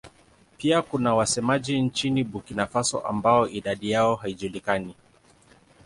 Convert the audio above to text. Pia kuna wasemaji nchini Burkina Faso ambao idadi yao haijulikani.